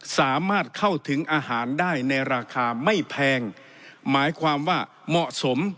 สามารถเข้าถึงอาหารได้ในราคาไม่แพงหมายความว่าเหมาะสม